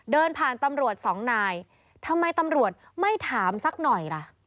เดินผ่านตำรวจสองนายทำไมตำรวจไม่ถามสักหน่อยล่ะ